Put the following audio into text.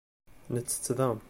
Nettett da.